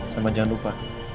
cuma jangan lupa